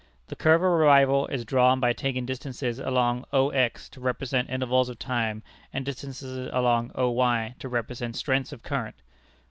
The curve of arrival is drawn by taking distances along O X to represent intervals of time, and distances along O Y to represent strengths of current.